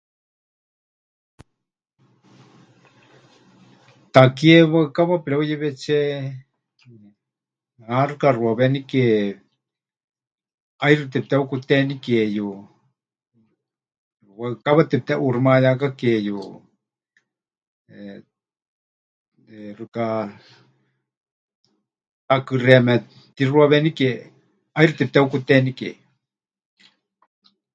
Takie waɨkawa pɨreuyewetsé. Ha xɨka xuawenike ʼaixɨ tepɨteheukutenikeyu, waɨkawa tepɨteʼuuximayákakeyu, eh, xɨka takɨxeeme tixuawenike ʼaixɨ tepɨteheukutenikeyu.